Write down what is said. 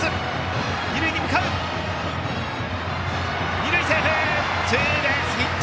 二塁セーフ、ツーベースヒット！